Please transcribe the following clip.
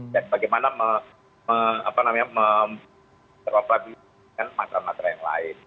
dan bagaimana memperlapiskan matra matra yang lain